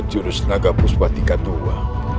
jurus naga puspa tingkat dua